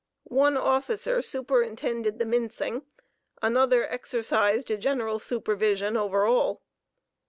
One officer superintended the mincing, another exercised a general supervision over all.